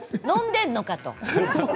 飲んでいるのかと。